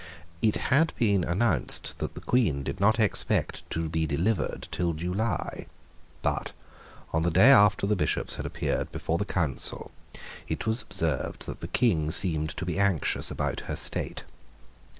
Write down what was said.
It had been announced that the Queen did not expect to be delivered till July. But, on the day after the Bishops had appeared before the Council, it was observed that the King seemed to be anxious about her state.